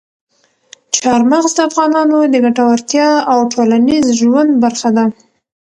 چار مغز د افغانانو د ګټورتیا او ټولنیز ژوند برخه ده.